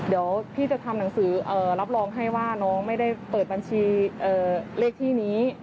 เดี๋ยวพี่จะทำหนังสือรับรองให้ว่าน้องไม่ได้เปิดบัญชีเลขที่นี้